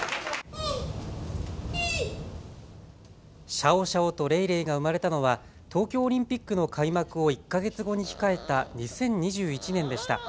シャオシャオとレイレイが生まれたのは東京オリンピックの開幕を１か月後に控えた２０２１年でした。